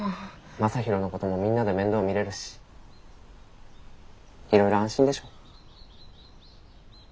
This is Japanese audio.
将大のこともみんなで面倒見れるしいろいろ安心でしょ。